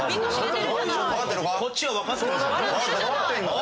こっちは分かってるぞ。